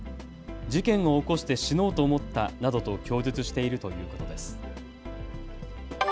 事件を起こして死のうと思ったなどと供述しているということです。